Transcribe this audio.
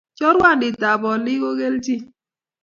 Choruandit ab olik kokelchin